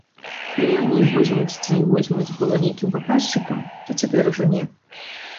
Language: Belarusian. Калі раней, возьмуць ці не возьмуць, было нейкім паказчыкам, то цяпер ужо не.